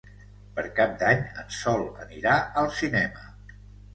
Per Cap d'Any en Sol anirà al cinema.